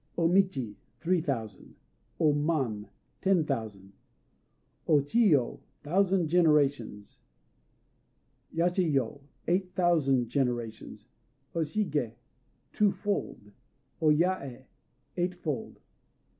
O Michi "Three Thousand." O Man "Ten Thousand." O Chiyo "Thousand Generations." Yachiyo "Eight Thousand Generations." O Shigé "Two fold." O Yaë "Eight fold."